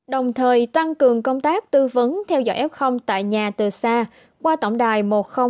đồng thời tăng cường công tác tư vấn theo dõi f tại nhà từ xa qua tổng đài một nghìn hai mươi hai